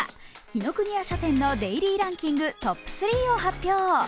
紀伊國屋書店のデイリーランキングトップ３を発表。